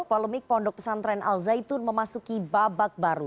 polemik pondok pesantren al zaitun memasuki babak baru